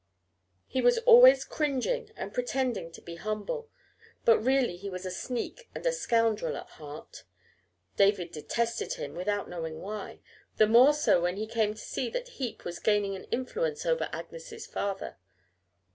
He was always cringing and pretending to be humble, but really he was a sneak and a scoundrel at heart. David detested him without knowing why, the more so when he came to see that Heep was gaining an influence over Agnes's father.